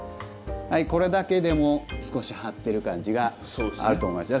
これだけでも少し張ってる感じがあると思います。